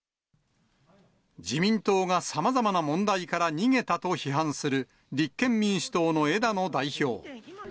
自民党がさまざまな問題から逃げたと批判する立憲民主党の枝野代表。